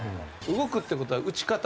動くっていう事は打ち方。